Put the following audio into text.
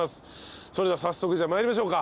それでは早速参りましょうか。